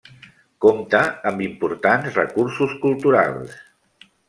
Compta amb importants recursos culturals.